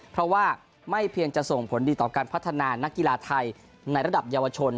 เพราะว่าไม่เพียงจะส่งผลดีต่อการพัฒนานักกีฬาไทยในระดับเยาวชน